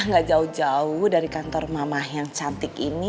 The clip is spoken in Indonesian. gak jauh jauh dari kantor mama yang cantik ini